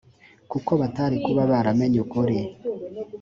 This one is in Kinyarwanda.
kuko batari kuba baramenye ukuri